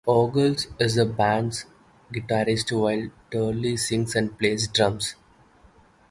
Ogles is the band's guitarist while Turley sings and plays drums.